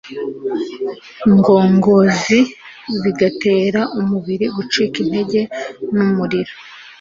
ngongozi bigatera umubiri gucika intege numuriro